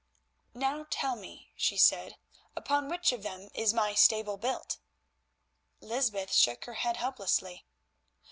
"Now tell me," she said, "upon which of them is my stable built?" Lysbeth shook her head helplessly.